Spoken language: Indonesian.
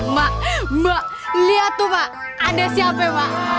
mak mak lihat tuh mak ada siapa ya mak